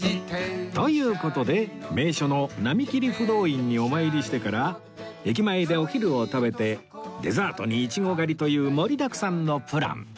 という事で名所の浪切不動院にお参りしてから駅前でお昼を食べてデザートにイチゴ狩りという盛りだくさんのプラン